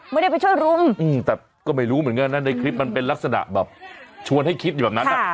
ไม่ได้ไปช่วยรุมแต่ก็ไม่รู้เหมือนกันนะในคลิปมันเป็นลักษณะแบบชวนให้คิดอยู่แบบนั้น